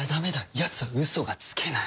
やつはウソがつけない。